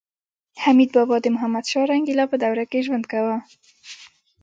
حمید بابا د محمدشاه رنګیلا په دوره کې ژوند کاوه